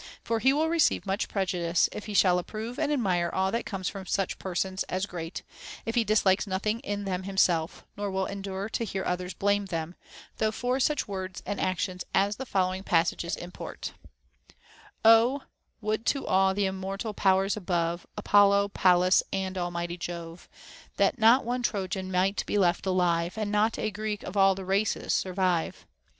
For he will receive much prejudice, if he shall approve and admire all that comes from such persons as great, if he dislike nothing in them himself, nor will endure to hear others blame them, though for such words and actions as the following passages import :— Oh I would to all the immortal powers above, Apollo, Pallas, and almighty Jove ! That not one Trojan might be left alive, And not a Greek of all the race survive.